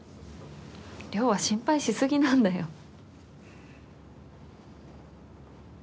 稜は心配しすぎなんだよ。